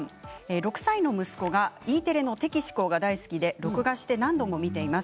６歳の息子がＥテレの「テキシコー」が大好きで録画して何度も見ています。